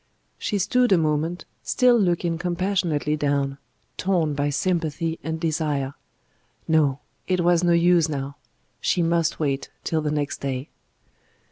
She stood a moment, still looking compassionately down; torn by sympathy and desire. No! it was no use now; she must wait till the next day.